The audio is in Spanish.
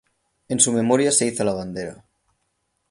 En su memoria se iza la bandera.